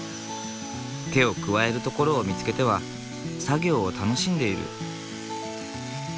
手を加える所を見つけては作業を楽しんでいる。